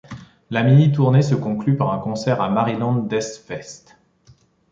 La mini tournée se conclut par un concert au Maryland Deathfest.